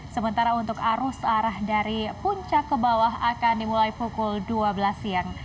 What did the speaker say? sementara untuk arus arah dari puncak ke bawah akan dimulai pukul dua belas siang